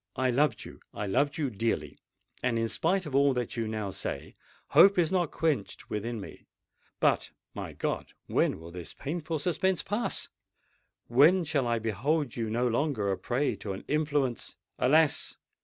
"I loved you—I love you dearly; and in spite of all that you now say, hope is not quenched within me. But, my God! when will this painful suspense pass? When shall I behold you no longer a prey to an influence——" "Alas!